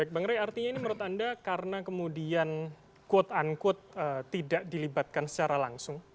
bang ray artinya ini menurut anda karena kemudian quote unquote tidak dilibatkan secara langsung